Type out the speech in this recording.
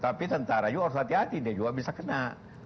tapi tentara juga harus hati hati dia juga bisa kena